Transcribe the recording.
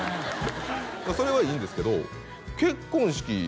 それはいいんですけど結婚式